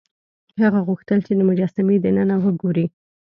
هغه غوښتل چې د مجسمې دننه وګوري.